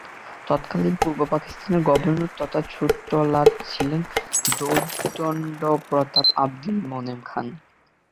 তৎকালীন পূর্ব পাকিস্তানের গভর্নর তথা ছোটলাট ছিলেন দোর্দণ্ডপ্রতাপ আবদুল মোনেম খান।